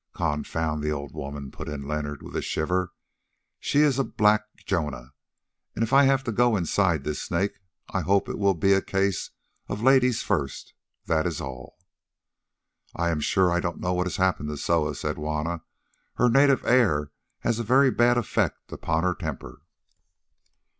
"Confound the old woman!" put in Leonard with a shiver. "She is a black Jonah, and if I have to go inside this snake I hope that it will be a case of ladies first, that is all." "I am sure I don't know what has happened to Soa," said Juanna. "Her native air has a very bad effect upon her temper."